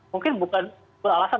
mungkin bukan alasan